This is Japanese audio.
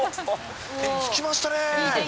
着きましたねー。